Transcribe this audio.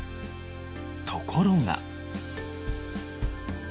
ところが。